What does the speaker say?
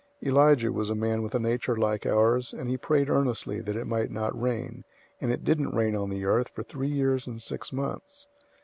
005:017 Elijah was a man with a nature like ours, and he prayed earnestly that it might not rain, and it didn't rain on the earth for three years and six months.